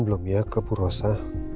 belum ya ke purwosa